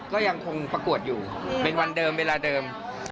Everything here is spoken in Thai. ก็ยังคงประกวดอยู่เป็นวันเดิมเวลาเดิม